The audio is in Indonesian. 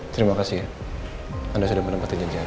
terima kasih ya anda sudah menempatkan janjian